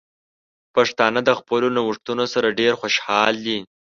پښتانه د خپلو نوښتونو سره ډیر خوشحال دي.